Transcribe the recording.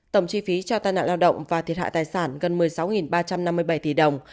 tổng chi phí cho tai nạn lao động và thiệt hại tài sản gần một mươi sáu ba trăm năm mươi